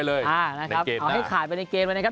เอาให้ขายไปในเกมเลยนะครับ